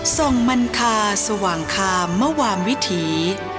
ส่งมันคาสว่างคามมวามวิถี